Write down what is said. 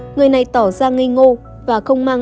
người này tỏ ra ngây ngô và không mang